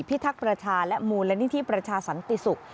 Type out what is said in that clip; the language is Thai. ทักษ์ประชาและมูลนิธิประชาสันติศุกร์